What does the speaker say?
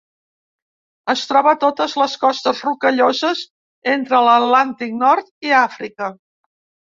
Es troba a totes les costes rocalloses entre l'Atlàntic Nord i Àfrica.